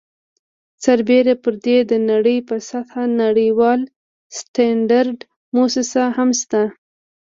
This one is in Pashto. سربیره پر دې د نړۍ په سطحه نړیواله سټنډرډ مؤسسه هم شته.